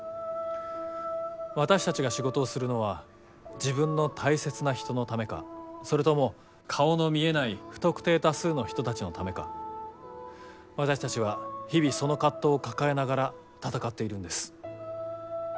私たちが仕事をするのは自分の大切な人のためかそれとも顔の見えない不特定多数の人たちのためか私たちは日々その葛藤を抱えながら闘っているんです。